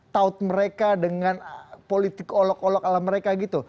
taut mereka dengan politik olok olok ala mereka gitu